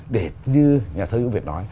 để như nhà thơ giới việt nói